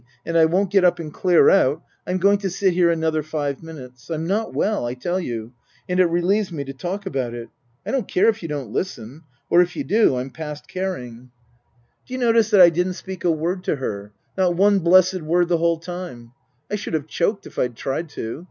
And I won't get up and clear out, I'm going to sit here another five minutes. I'm not well, I tell you, and it relieves me to talk about it. I don't care if you don't listen. Or if you do. I'm past caring. 28 Tasker Jevons " D'you notice that I didn't speak a word to her not one blessed word the whole time ? I should have choked if I'd tried to.